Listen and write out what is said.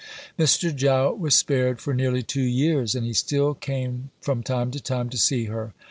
Mr. Jowett was spared for nearly two years, and he still came from time to time to see her.